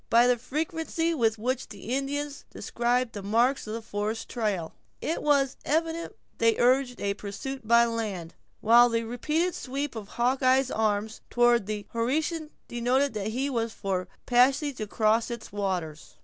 By the frequency with which the Indians described the marks of a forest trial, it was evident they urged a pursuit by land, while the repeated sweep of Hawkeye's arm toward the Horican denoted that he was for a passage across its waters.